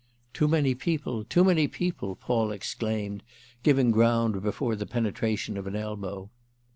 "Too many people—too many people!" Paul exclaimed, giving ground before the penetration of an elbow.